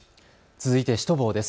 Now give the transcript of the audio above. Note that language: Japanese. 続いてシュトボーです。